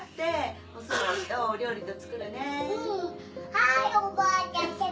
はいおばあちゃん